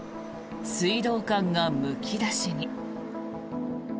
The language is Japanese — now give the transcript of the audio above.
水道管がむき出しに。